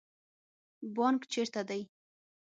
بانک چیرته دی؟